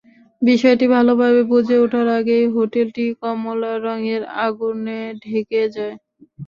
বিষয়টি ভালোভাবে বুঝে ওঠার আগেই হোটেলটি কমলা রঙের আগুনে ঢেকে যায়।